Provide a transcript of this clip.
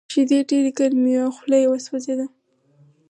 شیدې ډېرې ګرمې وې او خوله یې وسوځېده